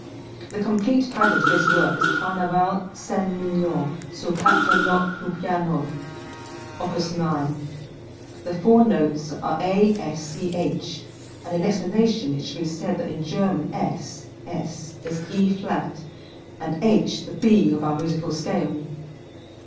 The complete title to this work is "Carnaval Scènes Mignonnes sur Quatre Notes pour Piano, Op. 9." The four notes are A S C H, and in explanation it should be said that in German S (es) is E flat, and H the B of our musical scale.